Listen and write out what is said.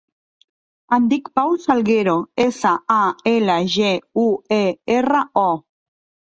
Em dic Pau Salguero: essa, a, ela, ge, u, e, erra, o.